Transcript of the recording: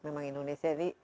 memang indonesia yang terkenal